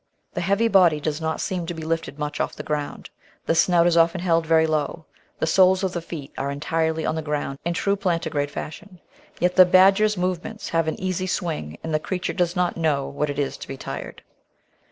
The heavy body does not seem to be lifted much off the ground, the snout is often held very low, the soles of the feet are entirely on the ground in true plantigrade fashion. Yet the badger's move ments have an easy swing, and the creature does not know what it is to be tired.